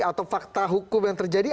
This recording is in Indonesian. atau fakta hukum yang terjadi